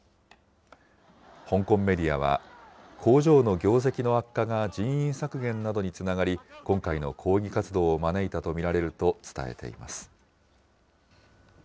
香港メディアは、工場の業績の悪化が人員削減などにつながり、今回の抗議活動を招いたと見られると伝えています。